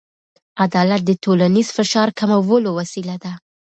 عدالت د ټولنیز فشار کمولو وسیله ده.